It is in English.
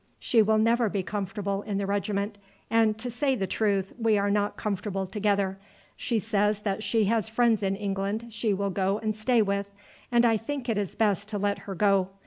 She will never be comfortable in the regiment, and to say the truth we are not comfortable together. She says that she has friends in England she will go and stay with, and I think it is best to let her go.